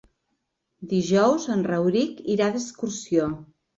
Dijous en Rauric irà d'excursió.